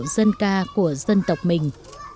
những làn điện dân ca của dân tộc mình